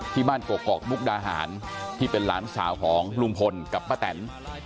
กกอกมุกดาหารที่เป็นหลานสาวของลุงพลกับป้าแตน